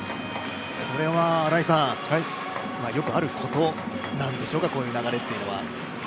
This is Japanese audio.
これはよくあることなんでしょうか、こういう流れというのは。